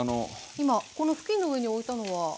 今この布巾の上に置いたのは？